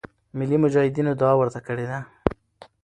ملی مجاهدینو دعا ورته کړې ده.